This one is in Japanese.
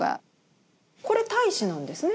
これ太子なんですね？